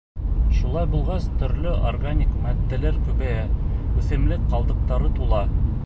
Шулай булғас, төрлө органик матдәләр күбәйә, үҫемлек ҡалдыҡтары тула.